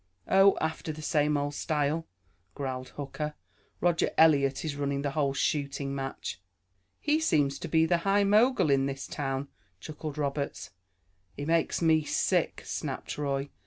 "Oh, after the same old style," growled Hooker. "Roger Eliot is running the whole shooting match." "He seems to be the high mogul in this town," chuckled Roberts. "He makes me sick!" snapped Roy.